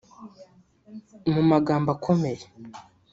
mu magambo akomeye